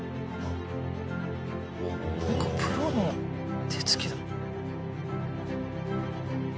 なんかプロの手つきだ。